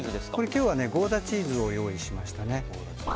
今日は、ゴーダチーズを用意しました。